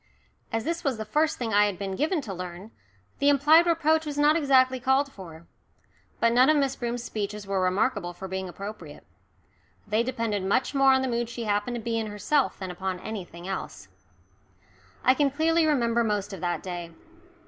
As this was the first thing I had been given to learn, the implied reproach was not exactly called for. But none of Miss Broom's speeches were remarkable for being appropriate. They depended much more on the mood she happened to be in herself than upon anything else. I can clearly remember most of that day.